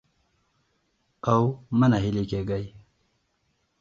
او مه ناهيلي کېږئ